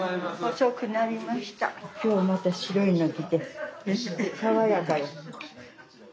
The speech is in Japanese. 今日また白いの着て爽やかよ。